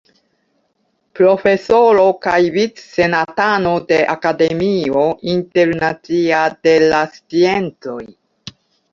Profesoro kaj vic-senatano de Akademio Internacia de la Sciencoj.